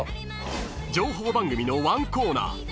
［情報番組のワンコーナー］